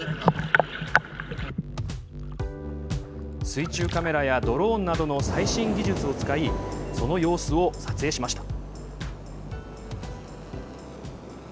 水中カメラやドローンなどの最新技術を使いその様子を撮影しました。